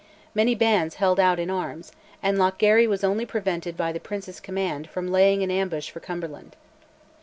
Many bands held out in arms, and Lochgarry was only prevented by the Prince's command from laying an ambush for Cumberland.